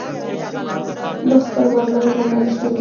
مخ پر بغلان روان شولو.